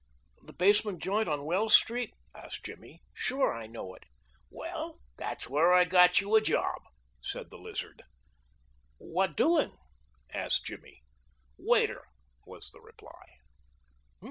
"The basement joint on Wells Street?" asked Jimmy. "Sure I know it." "Well, that's where I got you a job," said the Lizard. "What doing?" asked Jimmy. "Waiter," was the reply.